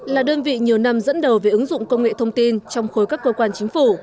là đơn vị nhiều năm dẫn đầu về ứng dụng công nghệ thông tin trong khối các cơ quan chính phủ